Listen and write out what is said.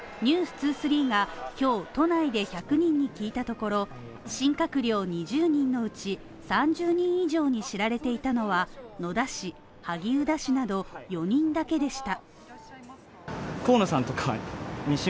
２３が今日、都内で１００人に聞いたところ新閣僚２０人のうち３０人以上に知られていたのは、野田氏、萩生田氏など４人だけでした。